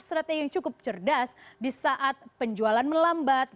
dan ini adalah strategi yang cukup cerdas di saat penjualan melambat